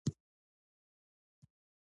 موږ خپل کلتور ساتو